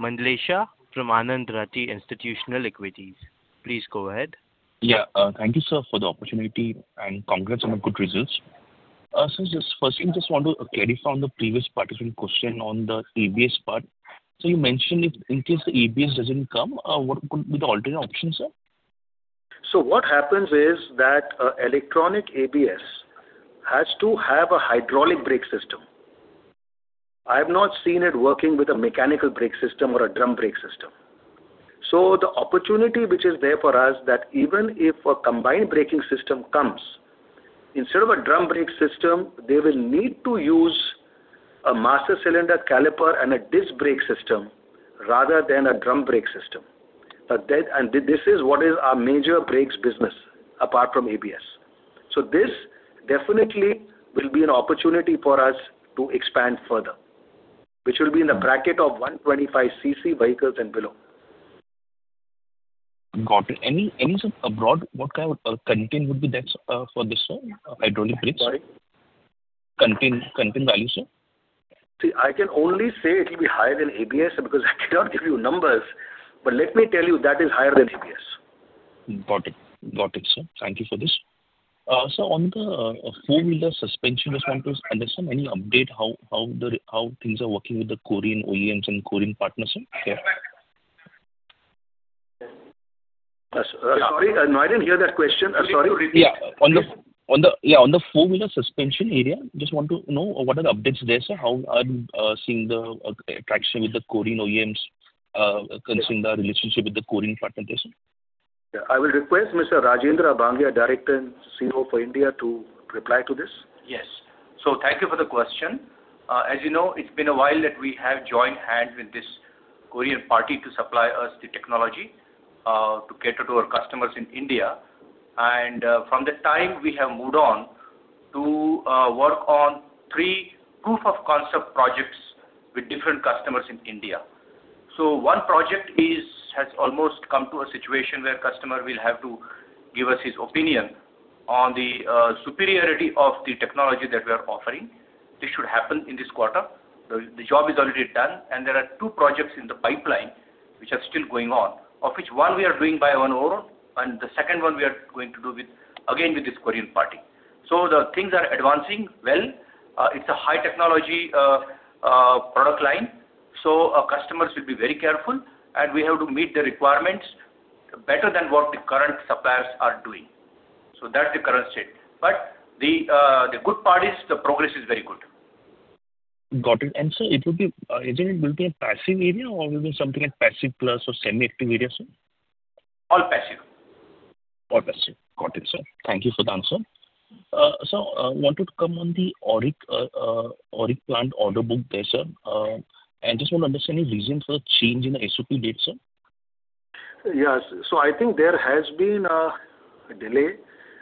Mandlesha from Anand Rathi Institutional Equities. Please go ahead. Yeah, thank you, sir, for the opportunity, and congrats on the good results. So just firstly, just want to clarify on the previous participant question on the ABS part. So you mentioned if, in case the ABS doesn't come, what could be the alternate option, sir? So what happens is that, electronic ABS has to have a hydraulic brake system. I have not seen it working with a mechanical brake system or a drum brake system. So the opportunity which is there for us, that even if a combined braking system comes, instead of a drum brake system, they will need to use a master cylinder, caliper, and a disc brake system rather than a drum brake system. But that... And this is what is our major brakes business, apart from ABS. So this definitely will be an opportunity for us to expand further, which will be in the bracket of 125cc vehicles and below. Got it. Any, sir, abroad, what kind of a continent would be that for this one, hydraulic brakes? Contain value, sir? See, I can only say it will be higher than ABS, because I cannot give you numbers, but let me tell you, that is higher than ABS. Got it. Got it, sir. Thank you for this. So on the four-wheeler suspension response, understand any update how, how the, how things are working with the Korean OEMs and Korean partners, sir? Sorry, I didn't hear that question. I'm sorry, repeat. Yeah. On the four-wheeler suspension area, just want to know what are the updates there, sir? How are seeing the traction with the Korean OEMs concerning the relationship with the Korean partners there, sir? Yeah. I will request Mr. Rajendra Abhange, Director and COO for India, to reply to this. Yes. So thank you for the question. As you know, it's been a while that we have joined hands with this Korean party to supply us the technology, to cater to our customers in India. And, from the time we have moved on to, work on three proof of concept projects with different customers in India. So one project is, has almost come to a situation where customer will have to give us his opinion on the, superiority of the technology that we are offering. This should happen in this quarter. The job is already done, and there are two projects in the pipeline which are still going on, of which one we are doing by our own, and the second one we are going to do with, again, with this Korean party. So the things are advancing well. It's a high technology product line, so our customers should be very careful, and we have to meet the requirements better than what the current suppliers are doing. So that's the current state. But the good part is, the progress is very good. Got it. And, sir, it will be, is it going to be a passive area or will be something like passive plus or semi-active area, sir? All passive. All passive. Got it, sir. Thank you for the answer. So, wanted to come on the Auric plant order book there, sir. And just want to understand the reason for the change in the SOP date, sir. Yes. So I think there has been a delay,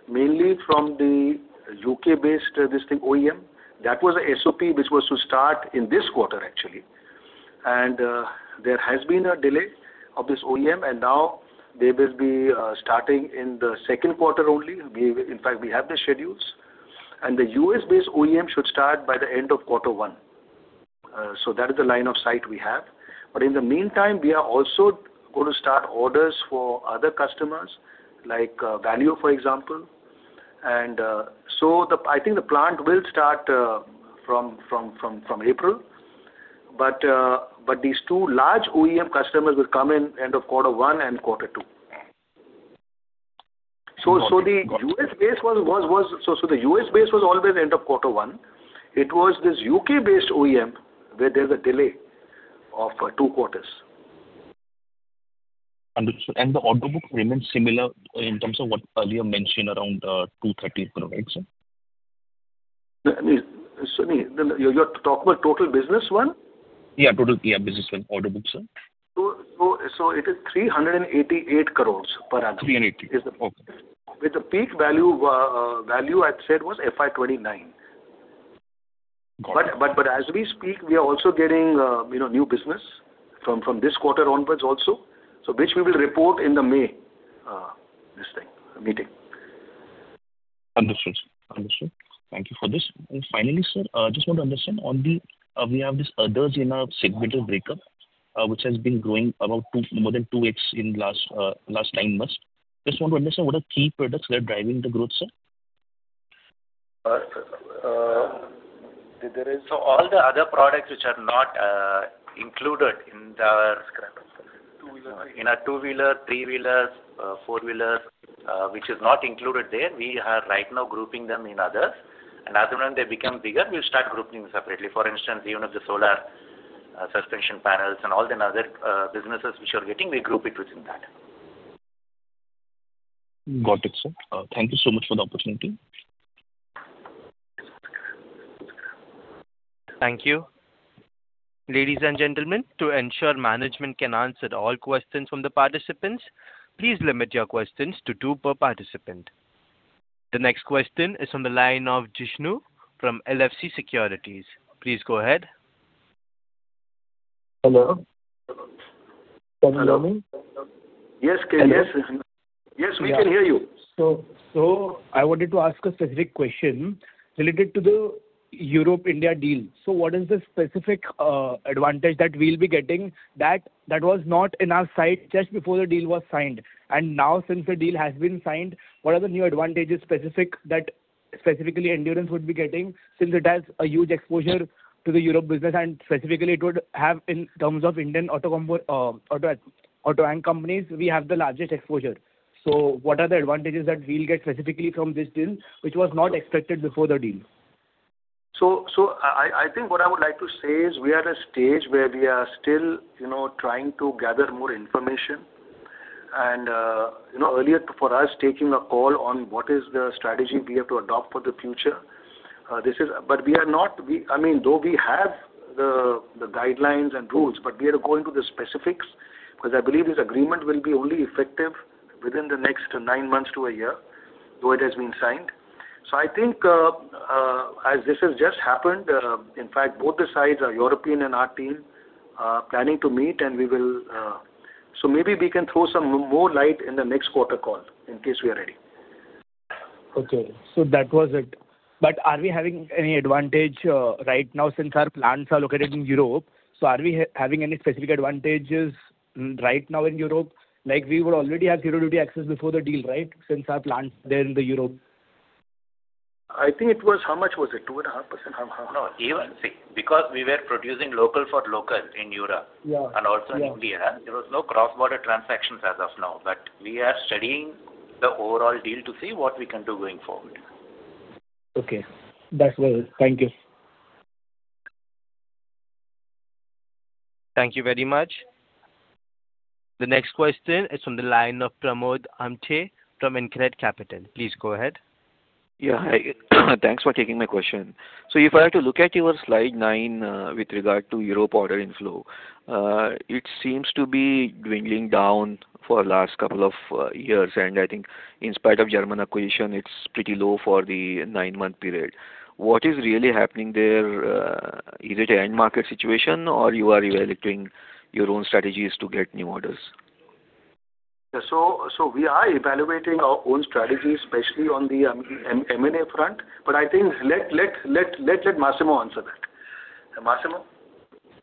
mainly from the U.K.-based OEM. That was a SOP, which was to start in this quarter, actually. And there has been a delay of this OEM, and now they will be starting in the second quarter only. In fact, we have the schedules, and the U.S.-based OEM should start by the end of quarter one. So that is the line of sight we have. But in the meantime, we are also going to start orders for other customers, like Valeo, for example. And so I think the plant will start from April. But these two large OEM customers will come in end of quarter one and quarter two. Got it. So the U.S.-based one was always end of quarter one. It was this U.K.-based OEM, where there's a delay of two quarters. Understood. The order book remains similar in terms of what earlier mentioned, around 230 crore, right, sir? I mean, you're, you're talking about total business one? Yeah, total, yeah, business one, order book, sir. It is 388 crore per annum. 380, okay. With the peak value value I'd said was FY 2029. Got it. But as we speak, we are also getting, you know, new business from this quarter onwards also, so which we will report in the May, this thing, meeting. Understood, sir. Understood. Thank you for this. And finally, sir, just want to understand on the, we have this others in our segmental breakup, which has been growing about two, more than 2x in last 9 months. Just want to understand, what are key products that are driving the growth, sir? There is- So all the other products which are not included in our two-wheeler, three-wheelers, four-wheelers, which is not included there, we are right now grouping them in others. And as and when they become bigger, we'll start grouping separately. For instance, even if the solar suspension panels and all the other businesses which we are getting, we group it within that. Got it, sir. Thank you so much for the opportunity. Thank you. Ladies and gentlemen, to ensure management can answer all questions from the participants, please limit your questions to two per participant. The next question is on the line of Jishnu from LFC Securities. Please go ahead. Hello? Can you hear me? Yes, can, yes. Hello. Yes, we can hear you. So, so I wanted to ask a specific question related to the Europe-India deal. So what is the specific advantage that we'll be getting that, that was not in our side just before the deal was signed? And now, since the deal has been signed, what are the new advantages specific, that specifically Endurance would be getting, since it has a huge exposure to the Europe business, and specifically it would have in terms of Indian auto component, auto ancillary companies, we have the largest exposure. So what are the advantages that we'll get specifically from this deal, which was not expected before the deal? So, I think what I would like to say is we are at a stage where we are still, you know, trying to gather more information. And, you know, earlier for us, taking a call on what is the strategy we have to adopt for the future, this is. But we are not. We, I mean, though we have the guidelines and rules, but we are going to the specifics, because I believe this agreement will be only effective within the next nine months to a year, though it has been signed. So I think, as this has just happened, in fact, both the sides, our European and our team, are planning to meet and we will. So maybe we can throw some more light in the next quarter call, in case we are ready. Okay, so that was it. But are we having any advantage right now since our plants are located in Europe? So are we having any specific advantages right now in Europe, like we would already have zero duty access before the deal, right? Since our plants are there in the Europe. I think it was, how much was it? 2.5%. How, how- No, even see, because we were producing local for local in Europe- Yeah. Also in India, there were no cross-border transactions as of now. But we are studying the overall deal to see what we can do going forward. Okay, that's well. Thank you. Thank you very much. The next question is from the line of Pramod Amthe from InCred Capital. Please go ahead. Yeah, hi. Thanks for taking my question. So if I have to look at your slide nine, with regard to Europe order inflow, it seems to be dwindling down for last couple of years, and I think in spite of German acquisition, it's pretty low for the nine-month period. What is really happening there? Is it an end market situation or you are evaluating your own strategies to get new orders? Yeah. So, we are evaluating our own strategy, especially on the M&A front. But I think let Massimo answer that. Massimo?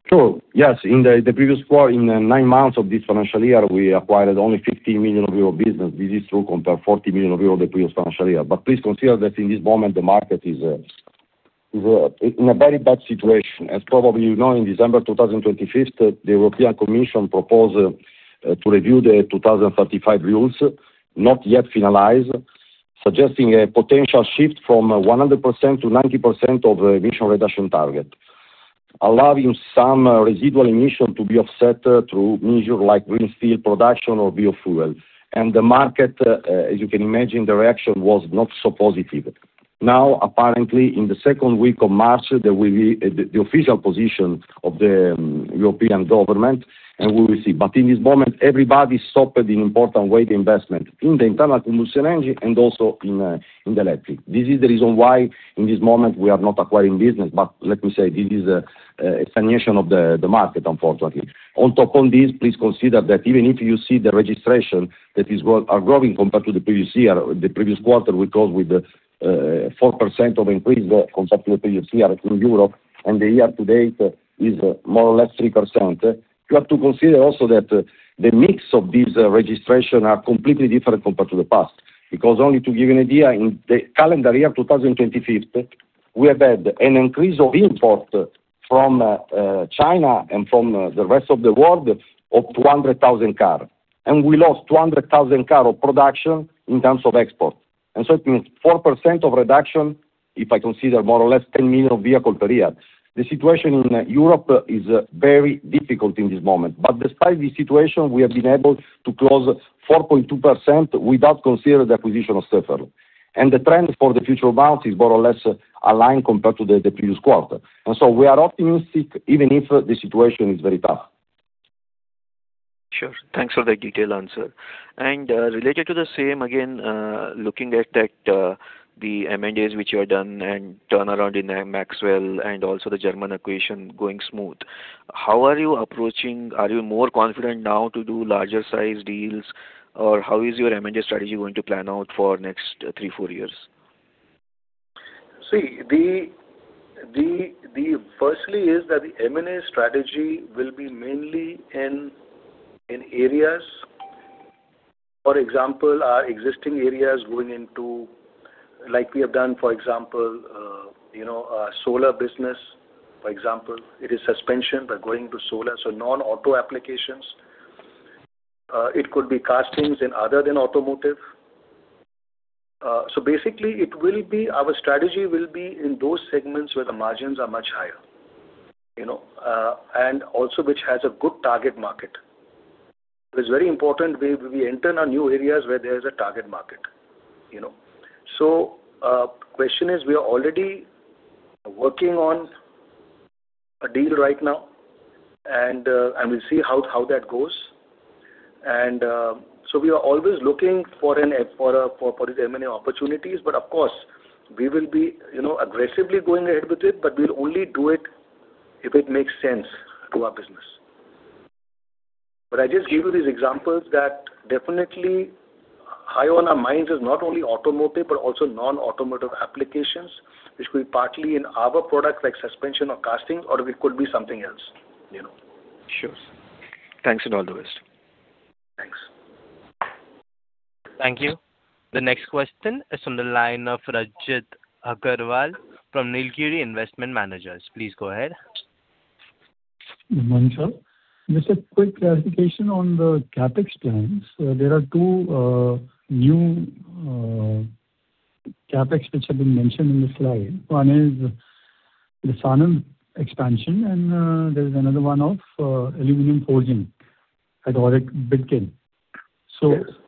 Sure. Yes, in the previous quarter, in the nine months of this financial year, we acquired only 15 million euro business. This is true, compared 40 million euro the previous financial year. But please consider that in this moment, the market is in a very bad situation. As probably you know, in December 2025, the European Commission proposed to review the 2035 rules, not yet finalized, suggesting a potential shift from 100% to 90% of the emission reduction target, allowing some residual emission to be offset through measures like green steel production or biofuel. And the market, as you can imagine, the reaction was not so positive. Now, apparently, in the second week of March, there will be the official position of the European government, and we will see. But in this moment, everybody stopped the important way, the investment in the internal combustion engine and also in the electric. This is the reason why in this moment we are not acquiring business, but let me say, this is a stagnation of the market, unfortunately. On top of this, please consider that even if you see the registration that is grow, are growing compared to the previous year, the previous quarter, we closed with 4% increase compared to the previous year in Europe, and the year to date is more or less 3%. You have to consider also that the mix of these registration are completely different compared to the past. Because only to give you an idea, in the calendar year 2025, we have had an increase of import from China and from the rest of the world of 200,000 cars, and we lost 200,000 cars of production in terms of export. And so it means 4% of reduction, if I consider more or less 10 million vehicles per year. The situation in Europe is very difficult in this moment, but despite the situation, we have been able to close 4.2% without considering the acquisition of Stöferle. And the trend for the future months is more or less aligned compared to the previous quarter. And so we are optimistic, even if the situation is very tough. Sure. Thanks for the detailed answer. Related to the same, again, looking at that, the M&As which you have done and turnaround in Maxwell and also the German acquisition going smooth, how are you approaching? Are you more confident now to do larger size deals, or how is your M&A strategy going to plan out for next, three, four years? See, firstly, the M&A strategy will be mainly in areas, for example, our existing areas going into, like we have done, for example, you know, solar business, for example. It is suspension, but going to solar, so non-auto applications. It could be castings in other than automotive. So basically, it will be our strategy will be in those segments where the margins are much higher, you know, and also which has a good target market. It is very important we enter on new areas where there is a target market, you know. So, question is, we are already working on a deal right now, and we'll see how that goes. So we are always looking for the M&A opportunities, but of course, we will be, you know, aggressively going ahead with it, but we'll only do it if it makes sense to our business. But I just give you these examples that definitely high on our minds is not only automotive, but also non-automotive applications, which will be partly in our products, like suspension or casting, or it could be something else, you know? Sure. Thanks, and all the best. Thanks. Thank you. The next question is from the line of Rajit Aggarwal from Nilgiri Investment Managers. Please go ahead. Hi, sir. Just a quick clarification on the CapEx plans. There are two new CapEx which have been mentioned in the slide. One is the Sanand expansion, and there is another one of aluminum forging at Auric Bidkin. Yes.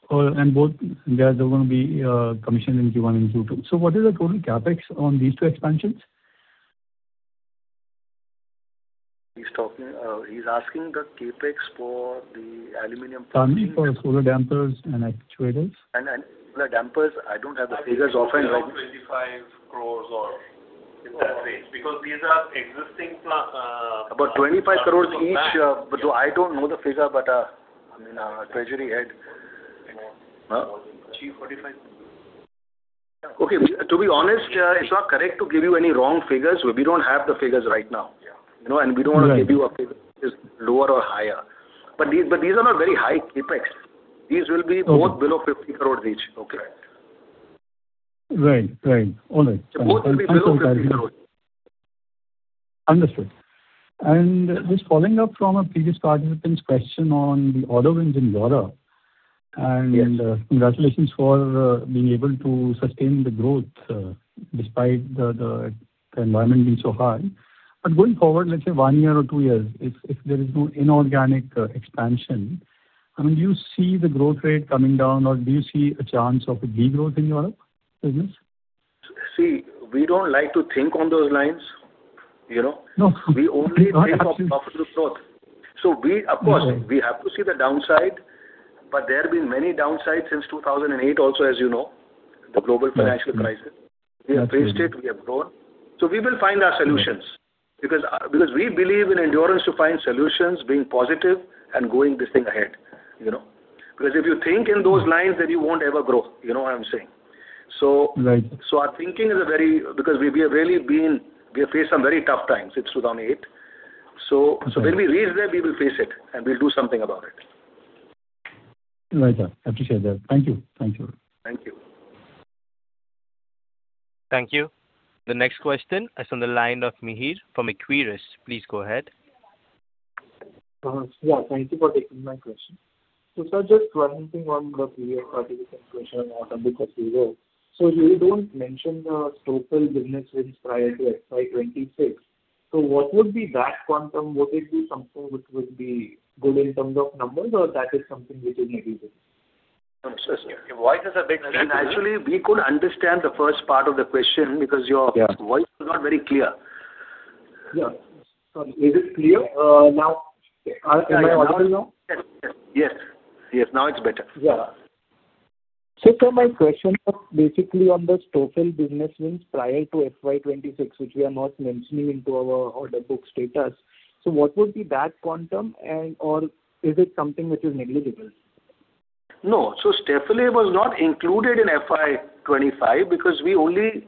So, and both, they are going to be, commissioned in Q1 and Q2. So what is the total CapEx on these two expansions? He's talking, he's asking the CapEx for the aluminum- Sorry, for solar dampers and actuators. And the dampers, I don't have the figures offhand right now.... because these are existing About 25 crores each, but I don't know the figure, but, I mean, our treasury head. Huh? Chief 45. Okay, to be honest, it's not correct to give you any wrong figures. We don't have the figures right now. Yeah. You know, and we don't want- Right. To give you a figure which is lower or higher. But these, but these are not very high CapEx. These will be both below 50 crore each. Okay. Right. Right. All right. Both below 50 crore. Understood. Just following up from a previous participant's question on the order wins in Europe. Yes. Congratulations for being able to sustain the growth despite the environment being so hard. Going forward, let's say one year or two years, if there is no inorganic expansion, I mean, do you see the growth rate coming down, or do you see a chance of a degrowth in your business? See, we don't like to think on those lines, you know? No. We only think of positive growth. So we... Of course, we have to see the downside, but there have been many downsides since 2008 also, as you know, the global financial crisis. Mm-hmm. We have faced it, we have grown. So we will find our solutions. Mm-hmm. Because, because we believe in Endurance to find solutions, being positive, and going this thing ahead, you know? Because if you think in those lines, then you won't ever grow. You know what I'm saying? So- Right. So our thinking is a very... because we, we have really been, we have faced some very tough times in 2008. Okay. So when we reach there, we will face it, and we'll do something about it. Right, sir. Appreciate that. Thank you. Thank you. Thank you. Thank you. The next question is on the line of Mihir from Equirus. Please go ahead. Yeah, thank you for taking my question. So sir, just one thing on the previous participant question on order book of zero. So you don't mention the total business wins prior to FY 2026. So what would be that quantum? Would it be something which would be good in terms of numbers, or that is something which is negligible? Your voice is a bit- And actually, we could understand the first part of the question because your- Yeah. Voice is not very clear. Yeah. Sorry, is it clear now? Am I audible now? Yes. Yes, now it's better. Yeah. So sir, my question was basically on the Stöferle business wins prior to FY 2026, which we are not mentioning into our order book status. So what would be that quantum, and/or is it something which is negligible? No. So Stöferle was not included in FY 2025 because we only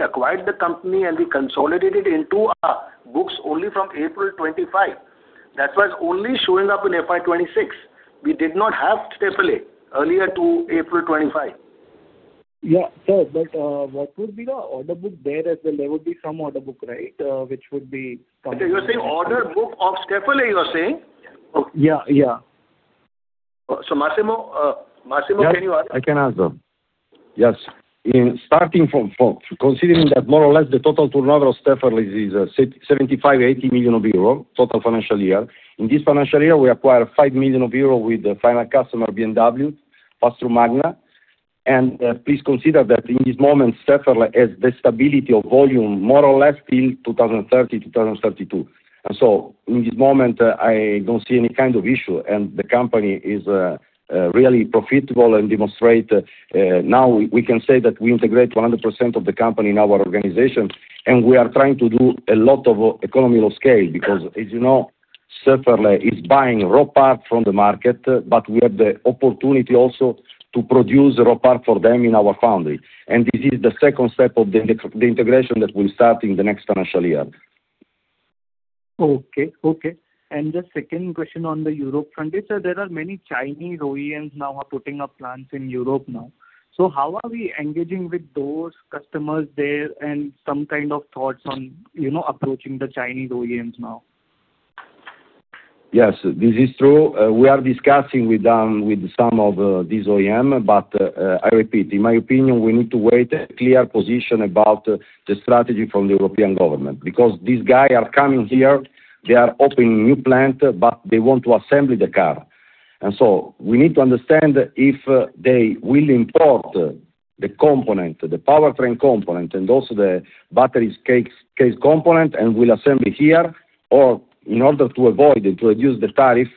acquired the company, and we consolidated into our books only from April 2025. That was only showing up in FY 2026. We did not have Stöferle earlier to April 2025. Yeah. Sir, but what would be the order book there, as well? There would be some order book, right? Which would be something- You're saying order book of Stöferle, you're saying? Yeah, yeah. So, Massimo, Massimo, can you answer? Yes, I can answer. Yes. Starting from considering that more or less the total turnover of Stöferle is 75 million-80 million euro, total financial year. In this financial year, we acquired 5 million euro with the final customer, BMW, pass through Magna. And please consider that in this moment, Stöferle has the stability of volume more or less in 2030, 2032. And so in this moment, I don't see any kind of issue, and the company is really profitable and demonstrate. Now, we can say that we integrate 100% of the company in our organization, and we are trying to do a lot of economies of scale, because as you know, Stöferle is buying raw parts from the market, but we have the opportunity also to produce raw part for them in our foundry. And this is the second step of the integration that will start in the next financial year. Okay. Okay. And the second question on the Europe front, is there are many Chinese OEMs now are putting up plants in Europe now. So how are we engaging with those customers there, and some kind of thoughts on, you know, approaching the Chinese OEMs now? Yes, this is true. We are discussing with, with some of, these OEM, but, I repeat, in my opinion, we need to wait a clear position about the strategy from the European government. Because these guys are coming here, they are opening new plant, but they want to assemble the car. And so we need to understand if, they will import the component, the powertrain component and also the batteries case, case component, and will assemble here, or in order to avoid and to reduce the tariff,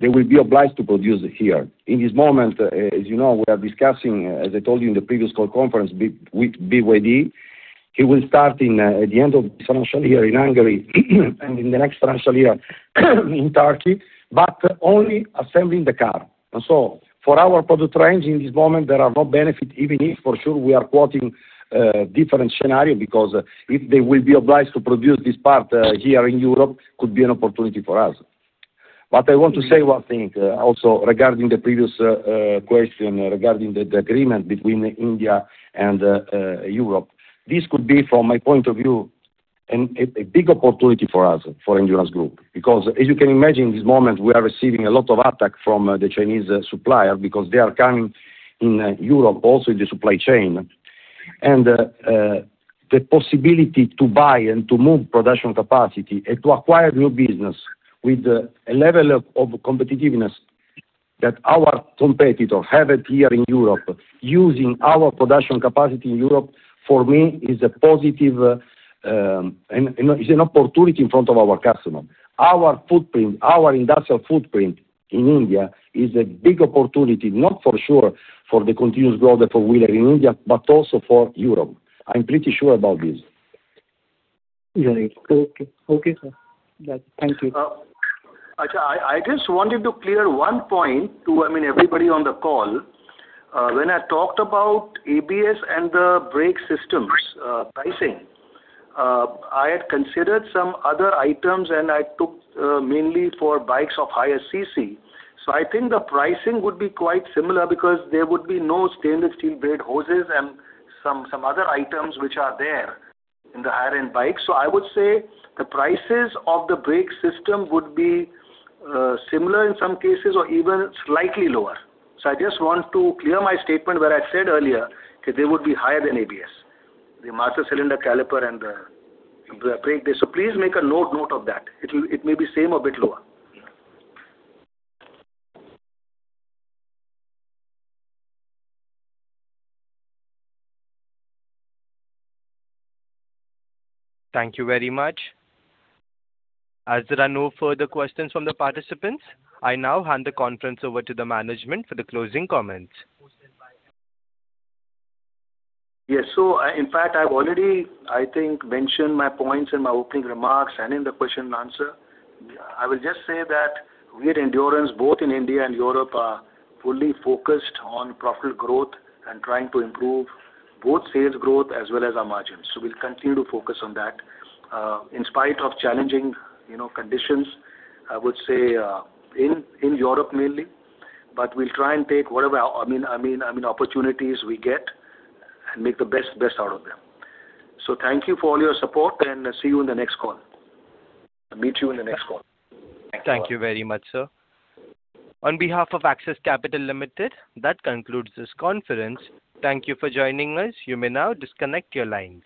they will be obliged to produce it here. In this moment, as you know, we are discussing, as I told you in the previous call conference, with BYD, he will start in, at the end of this financial year in Hungary, and in the next financial year, in Turkey, but only assembling the car. And so for our product range, in this moment, there are no benefit, even if for sure, we are quoting different scenario, because if they will be obliged to produce this part here in Europe, could be an opportunity for us. But I want to say one thing also regarding the previous question, regarding the agreement between India and Europe. This could be, from my point of view, a big opportunity for us, for Endurance Group. Because as you can imagine, this moment, we are receiving a lot of attack from the Chinese supplier because they are coming in Europe, also in the supply chain. The possibility to buy and to move production capacity and to acquire new business with a level of competitiveness that our competitor haven't here in Europe, using our production capacity in Europe, for me, is a positive, and is an opportunity in front of our customer. Our footprint, our industrial footprint in India is a big opportunity, not only for the continuous growth for two-wheeler in India, but also for Europe. I'm pretty sure about this. Right. Okay, okay, sir. Thank you. I just wanted to clear one point to, I mean, everybody on the call. When I talked about ABS and the brake systems pricing, I had considered some other items, and I took mainly for bikes of higher cc. So I think the pricing would be quite similar because there would be no stainless steel braid hoses and some other items which are there in the higher-end bikes. So I would say the prices of the brake system would be similar in some cases or even slightly lower. So I just want to clear my statement where I said earlier that they would be higher than ABS, the master cylinder caliper and the brake. So please make a note of that. It may be same or bit lower. Thank you very much. As there are no further questions from the participants, I now hand the conference over to the management for the closing comments. Yes. So, in fact, I've already, I think, mentioned my points in my opening remarks and in the question and answer. I will just say that we at Endurance, both in India and Europe, are fully focused on profitable growth and trying to improve both sales growth as well as our margins. So we'll continue to focus on that. In spite of challenging, you know, conditions, I would say, in Europe mainly, but we'll try and take whatever, I mean, opportunities we get and make the best out of them. So thank you for all your support, and see you in the next call. I'll meet you in the next call. Thank you very much, sir. On behalf of Axis Capital Limited, that concludes this conference. Thank you for joining us. You may now disconnect your line.